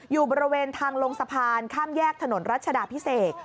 อยู่บริเวณทางลงสะพานข้ามแยกถนนรัชดาพิเศษ